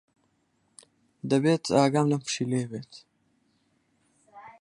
دەبێت ئاگام لەم پشیلەیە بێت.